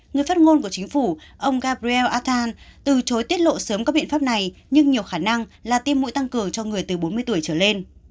người phát ngôn của chính phủ ông gabriel athan từ chối tiết lộ sớm các biện pháp này nhưng nhiều khả năng là tiêm mũi tăng cường cho người từ bốn mươi tuổi trở lên